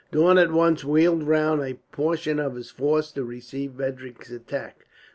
Daun at once wheeled round a portion of his force to receive Frederick's attack.